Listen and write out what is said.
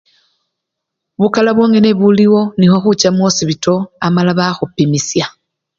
Bukala bwongene buliwo nikhwo khucha mukhosipito amala bakhupimisha.